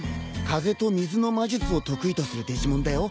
風と水の魔術を得意とするデジモンだよ。